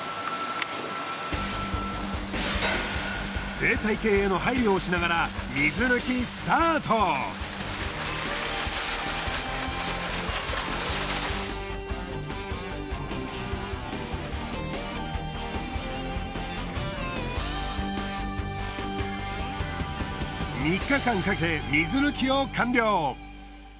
生態系への配慮をしながら３日間かけ水抜きを完了。